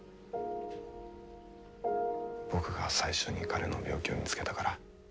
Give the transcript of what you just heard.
僕が最初に彼の病気を見つけたから。